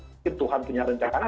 mungkin tuhan punya rencana